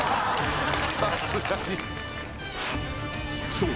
［そう。